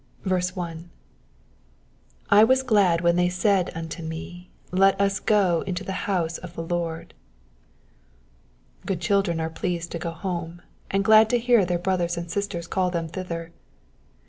1. "J was glad when they said unto me^ Let us go into the house of the Lord." Good childrea are pleased to go home, and glad to hear their brothers and sisters call them thither.